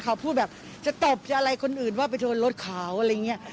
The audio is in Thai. เขาพูดแบบจะตบจะอะไรคนอื่นว่าไปชนรถเขาอะไรอย่างนี้